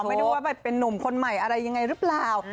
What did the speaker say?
ไม่รู้ว่าไปเป็นนุ่มคนใหม่อะไรยังไงหรือเปล่า